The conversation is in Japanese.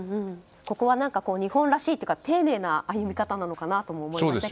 ここは日本らしいというか丁寧な歩み方なのかなと思います。